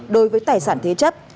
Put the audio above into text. đối với tài sản thế chấp